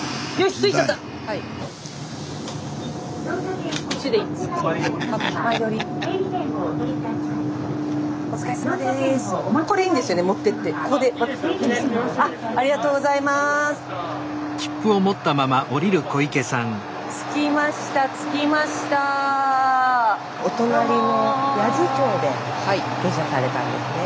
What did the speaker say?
スタジオお隣の八頭町で下車されたんですね。